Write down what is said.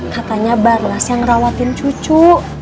katanya barlas yang rawatin cucu